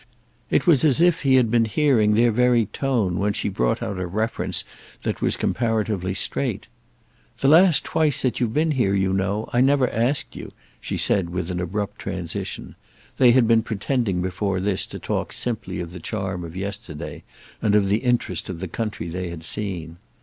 It was as if he had been hearing their very tone when she brought out a reference that was comparatively straight. "The last twice that you've been here, you know, I never asked you," she said with an abrupt transition—they had been pretending before this to talk simply of the charm of yesterday and of the interest of the country they had seen.